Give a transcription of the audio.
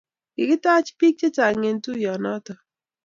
kikitach biik chechang' eng' tuyienoto